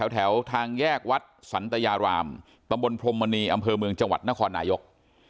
แถวทางแยกวัดสันตยารามตำบลโพรมณีอำเจงญาตินภาคหนายก